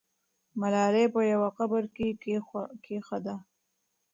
ملالۍ په یوه قبر کې کښېږده.